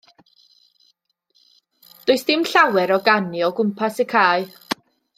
Does dim llawer o ganu o gwmpas y cae.